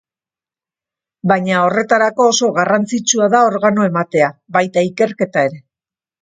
Baina, horretarako, oso garrantzitsua da organo-ematea, baita ikerketa ere.